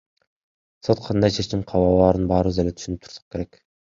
Сот кандай чечим кабыл алаарын баарыбыз эле түшүнүп турсак керек.